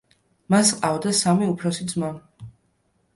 მას ჰყავდა სამი უფროსი ძმა.